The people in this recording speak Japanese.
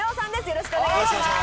よろしくお願いします。